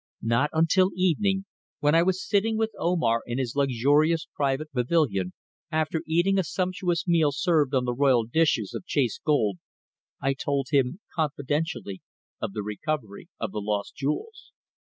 Not until evening, when I was sitting with Omar in his luxurious private pavilion after eating a sumptuous meal served on the royal dishes of chased gold, I told him confidentially of the recovery of the lost jewels.